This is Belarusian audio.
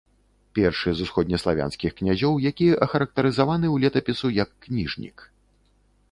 Першы з усходнеславянскіх князёў, які ахарактарызаваны ў летапісу як кніжнік.